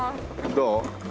どう？